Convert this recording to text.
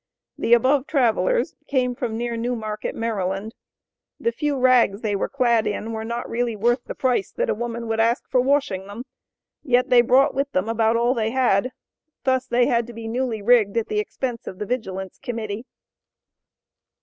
The above travelers came from near New Market, Md. The few rags they were clad in were not really worth the price that a woman would ask for washing them, yet they brought with them about all they had. Thus they had to be newly rigged at the expense of the Vigilance Committee.